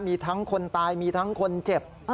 มีทั้งคนตายมีทั้งคนเจ็บ